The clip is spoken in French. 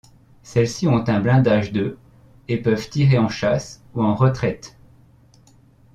Celles-ci ont un blindage de et peuvent tirer en chasse et en retraite.